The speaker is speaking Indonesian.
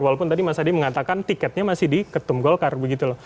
walaupun tadi mas hadi mengatakan tiketnya masih di ketum golkar begitu loh